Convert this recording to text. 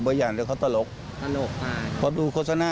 ภาค๒จริงอ่ะ